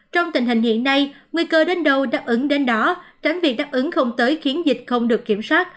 trong tình hình hiện nay nguy cơ đến đâu đáp ứng đến đó tránh việc đáp ứng không tới khiến dịch không được kiểm soát